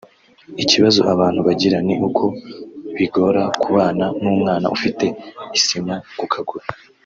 Ikibazo abantu bagira ni uko bigora kubana n’umwana ufite isima ku kaguru